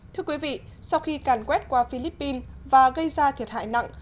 thưa quý vị sau khi càn quét qua philippines và gây ra thiệt hại nặng